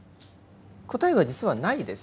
答えは実はないです。